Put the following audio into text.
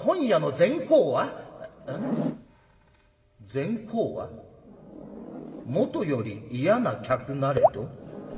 『善公はもとより嫌な客なれど』。